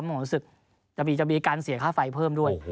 หมอศึกจะมีการเสียค่าไฟเพิ่มด้วย